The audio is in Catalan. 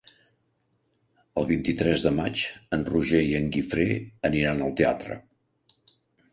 El vint-i-tres de maig en Roger i en Guifré aniran al teatre.